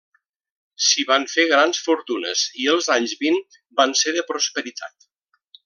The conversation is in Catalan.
S'hi van fer grans fortunes i els anys vint van ser de prosperitat.